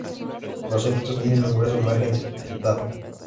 Los septos tienen un grueso margen dentado.